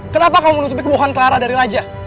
kenapa kamu menutupi kebohongan clara dari raja